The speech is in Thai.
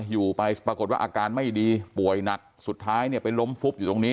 อยู่ไปปรากฏว่าอาการไม่ดีป่วยหนักสุดท้ายเนี่ยไปล้มฟุบอยู่ตรงนี้